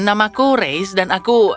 namaku reis dan aku